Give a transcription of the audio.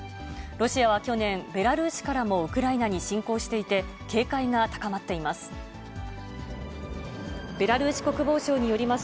ロシアは去年、ベラルーシからもウクライナに侵攻していて、警戒が高まっています。